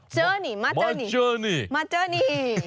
เจอนี่มาเจอนี่มาเจอนี่